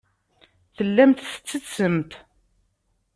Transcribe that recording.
Tellamt tettessemt.